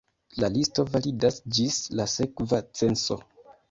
La listo validas ĝis la sekva censo.